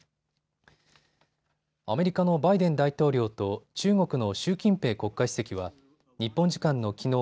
アメリカのバイデン大統領と中国の習近平国家主席は日本時間のきのう